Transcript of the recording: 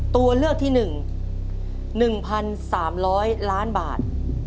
ตัวเลือกที่๑๑๓๐๐ล้านบาท